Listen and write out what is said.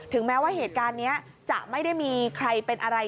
แม้ว่าเหตุการณ์นี้จะไม่ได้มีใครเป็นอะไร